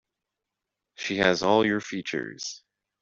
She has all your features.